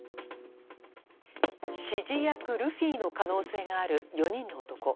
指示役ルフィの可能性がある４人の男。